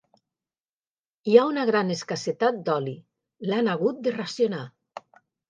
Hi ha una gran escassetat d'oli: l'han hagut de racionar.